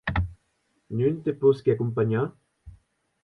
Non te posqui acompanhar?